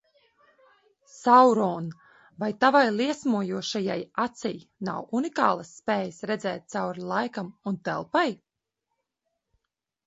Sauron, vai tavai liesmojošajai acij nav unikālas spējas redzēt cauri laikam un telpai?